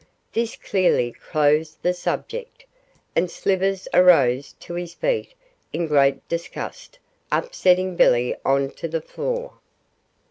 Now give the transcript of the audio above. This clearly closed the subject, and Slivers arose to his feet in great disgust, upsetting Billy on to the floor.